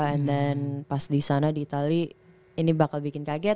and then pas disana di itali ini bakal bikin kaget